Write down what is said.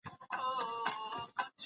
نولس منفي يو؛ اتلس کېږي.